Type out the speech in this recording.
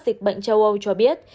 dịch bệnh châu âu cho biết